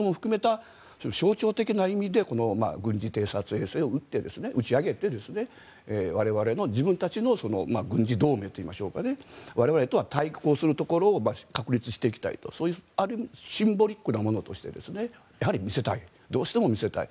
そういうことも含めた象徴的な意味でこの軍事偵察衛星を打ち上げて自分たちの軍事同盟というか我々とは対抗するところを確立していきたいとそういうシンボリックなものとして見せたいどうしても見せたい。